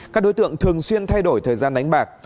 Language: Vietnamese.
các đối tượng thường xuyên thay đổi thời gian đánh bạc